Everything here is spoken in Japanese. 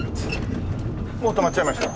もう止まっちゃいました。